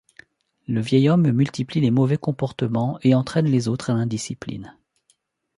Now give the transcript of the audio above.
Le vieil homme multiplie les mauvais comportements et entraîne les autres à l'indiscipline.